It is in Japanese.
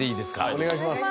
お願いします